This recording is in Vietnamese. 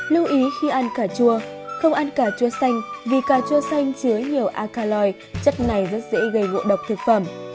lưu ý khi ăn cà chua không ăn cà chua xanh vì cà chua xanh chứa nhiều akaloi chất này rất dễ gây ngộ độc thực phẩm